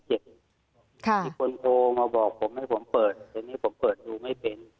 มีคนโทรมาบอกผมให้ผมเปิดแต่นี่ผมเปิดดูไม่เป็น